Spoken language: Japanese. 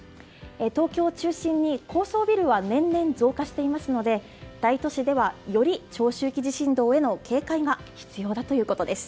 東京を中心に高層ビルは年々増加していますので大都市ではより長周期地震動への警戒が必要だということです。